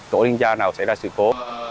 tổ liên gia nào xảy ra sự cố